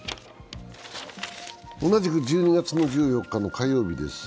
同じく１２月１４日の火曜日です。